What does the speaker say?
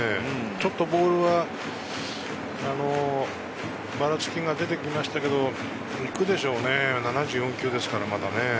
ちょっとボールはばらつきが出てきましたけれど、行くでしょうね、７４球ですから。